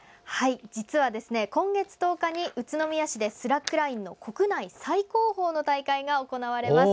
実は今月１０日に宇都宮で国内最高峰のスラックラインの国内最高峰の大会が行われます。